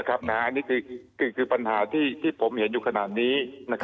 อันนี้คือปัญหาที่ผมเห็นอยู่ขนาดนี้